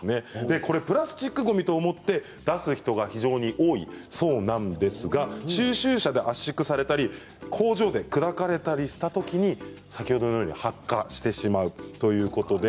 これはプラスチックごみと思って出す人が非常に多いそうなんですが収集車で圧縮されたり工場で砕かれたりしたときに先ほどのように発火してしまうということです。